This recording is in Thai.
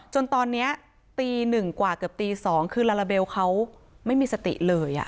จนตอนนี้ตีหนึ่งกว่าเกือบตี๒คือลาลาเบลเขาไม่มีสติเลย